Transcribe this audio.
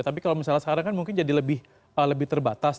tapi kalau misalnya sekarang kan mungkin jadi lebih terbatas